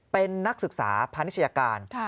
เป็นนักศึกษาพาณิชยาการ